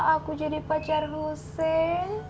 aku jadi pacar rusih